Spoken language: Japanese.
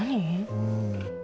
うん。